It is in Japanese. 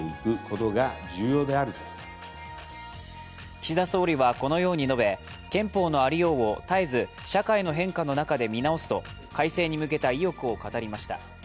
岸田総理はこのように述べ憲法のありようを絶えず社会の変化の中で見直すと、改正に向けた意欲を語りました。